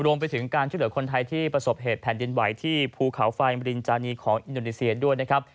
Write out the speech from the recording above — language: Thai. รวมไปถึงการช่วยเหลือคนไทยที่ประสบเหตุแผ่นดินไหวที่ภูเขาไฟมรินจานีของอินโดนีเซียด้วยนะครับ